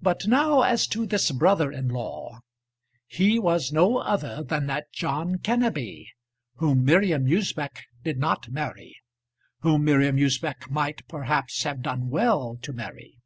But now, as to this brother in law. He was no other than that John Kenneby whom Miriam Usbech did not marry, whom Miriam Usbech might, perhaps, have done well to marry.